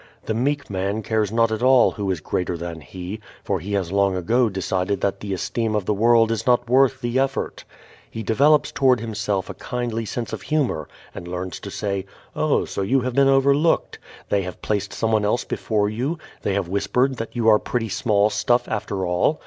The meek man cares not at all who is greater than he, for he has long ago decided that the esteem of the world is not worth the effort. He develops toward himself a kindly sense of humor and learns to say, "Oh, so you have been overlooked? They have placed someone else before you? They have whispered that you are pretty small stuff after all?